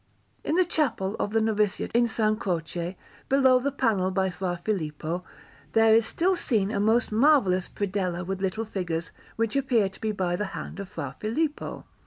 In the Chapel of the Noviciate in S. Croce, below the panel by Fra Filippo, there is still seen a most marvellous predella with little figures, which appear to be by the hand of Fra Filippo.